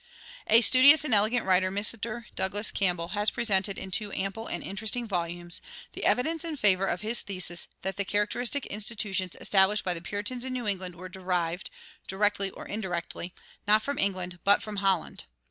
A studious and elegant writer, Mr. Douglas Campbell, has presented in two ample and interesting volumes[74:1] the evidence in favor of his thesis that the characteristic institutions established by the Puritans in New England were derived, directly or indirectly, not from England, but from Holland.